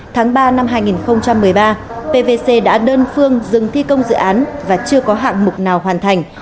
tháng ba năm hai nghìn một mươi ba pvc đã đơn phương dừng thi công dự án và chưa có hạng mục nào hoàn thành